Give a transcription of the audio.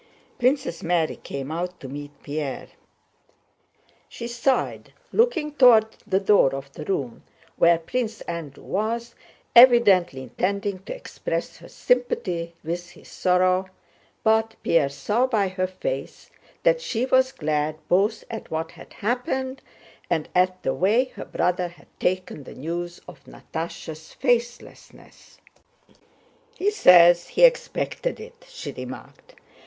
Princess Mary came out to meet Pierre. She sighed, looking toward the door of the room where Prince Andrew was, evidently intending to express her sympathy with his sorrow, but Pierre saw by her face that she was glad both at what had happened and at the way her brother had taken the news of Natásha's faithlessness. "He says he expected it," she remarked.